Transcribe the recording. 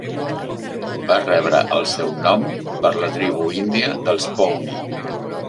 Va rebre el seu nom per la tribu índia dels pawnee.